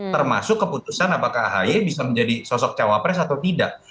termasuk keputusan apakah ahy bisa menjadi sosok cawapres atau tidak